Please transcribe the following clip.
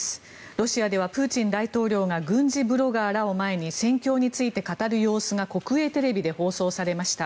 ロシアではプーチン大統領が軍事ブロガーらを前に戦況について語る様子が国営テレビで放送されました。